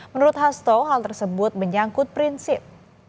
menurut hasto hal tersebut menyangkut prinsip